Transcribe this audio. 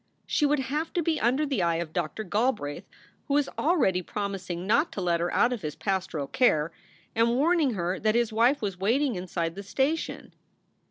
She would have to be under the eye of Doctor Galbraith, who was already promising not to let her out of his pastoral care, and warning her that his wife was waiting inside the station.